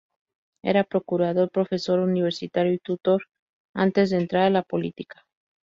Era procurador, profesor universitario y tutor antes de entrar a la política.